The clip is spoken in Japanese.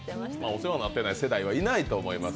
お世話になっていない世代はいないと思います。